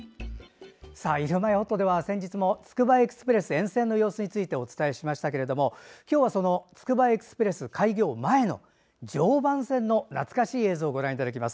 「ひるまえほっと」では、先日もつくばエクスプレス沿線の様子についてもお伝えしてきましたが今日はつくばエクスプレス開業前の常磐線の懐かしい映像をご覧いただきます。